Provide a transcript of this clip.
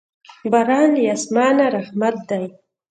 باران له اسمانه رحمت دی.